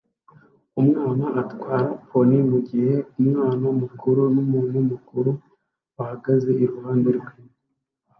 Umwana atwara pony mugihe umwana mukuru numuntu mukuru bahagaze iruhande rwe